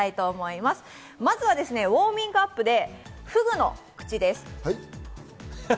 まずはウオーミングアップ、フグの口です。